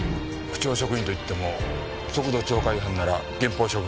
府庁職員といっても速度超過違反なら減俸処分で済む。